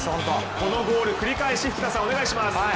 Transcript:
このゴール繰り返し福田さん、お願いします。